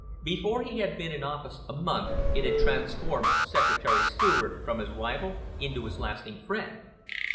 Before he had been in office a month it had transformed Secretary Seward from his rival into his lasting friend.